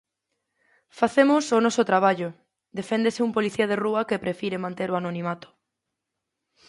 Facemos o noso traballo, deféndese un policía de rúa que prefire manter o anonimato.